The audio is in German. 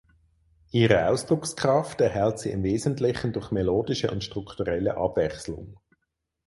Ihre Ausdruckskraft erhält sie im Wesentlichen durch melodische und strukturelle Abwechslung.